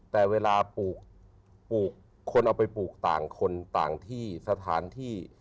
แต่เวลาปลูกคนเอาไปปลูกต่างคนต่างที่สถานที่